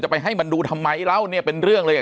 จะไปให้มันดูทำไมแล้วเนี่ยเป็นเรื่องเลย